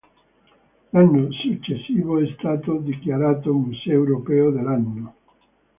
L'anno successivo è stato dichiarato museo europeo dell'anno.